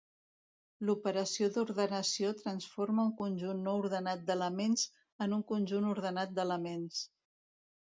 L'operació d'ordenació transforma un conjunt no ordenat d'elements en un conjunt ordenat d'elements.